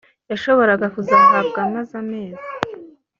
yashoboraga kuzahabwa amaze amezi